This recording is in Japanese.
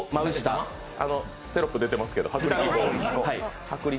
テロップ出てますけど。